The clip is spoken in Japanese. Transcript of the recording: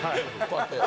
こうやって。